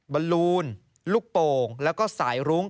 บรรลูนลูกโป่งแล้วก็สายรุ้ง